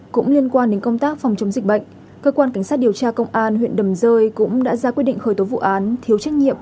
cũng liên quan đến công tác phòng chống dịch bệnh cơ quan cảnh sát điều tra công an huyện đầm rơi cũng đã ra quyết định khởi tố vụ án thiếu trách nhiệm